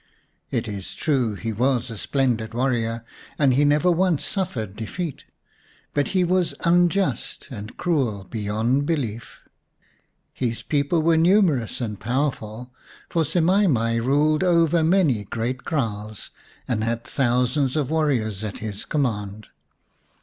It is true he was a splendid warrior and had never once suffered defeat, but he was unjust and cruel beyond belief. His people were numerous and powerful, for Semai mai ruled over many great kraals, and had thousands of warriors at his command.